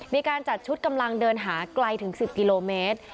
มีการจัดชุดกำลังเดินหาไกลถึง๑๐กิโลเมตร